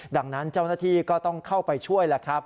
ดังนั้นเจ้าหน้าที่ก็ต้องเข้าไปช่วยแล้วครับ